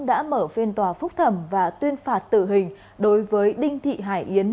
đã mở phiên tòa phúc thẩm và tuyên phạt tử hình đối với đinh thị hải yến